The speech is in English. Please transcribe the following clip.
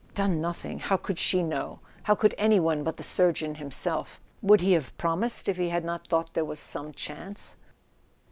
Done nothing! How could she know ? How could any one, but the surgeon himself? Would he have promised if he had not thought there was some chance